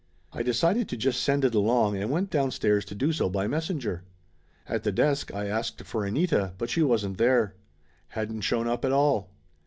I decided to just send it along and went downstairs to do so by messenger. At the desk I asked for Anita, but she wasn't there. Hadn't shown up at all.